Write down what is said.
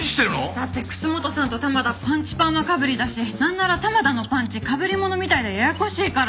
だって楠本さんと玉田パンチパーマかぶりだしなんなら玉田のパンチかぶりものみたいでややこしいから。